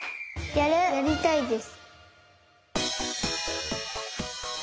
やりたいです！